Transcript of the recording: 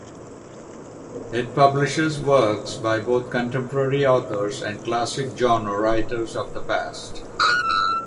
It publishes works by both contemporary authors and classic genre writers of the past.